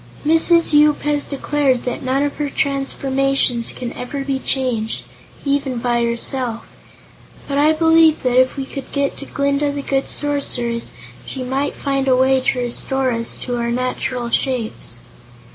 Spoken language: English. "Mrs. Yoop has declared that none of her transformations can ever be changed, even by herself, but I believe that if we could get to Glinda the Good Sorceress, she might find a way to restore us to our natural shapes.